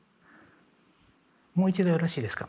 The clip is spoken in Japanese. もう一度よろしいですか？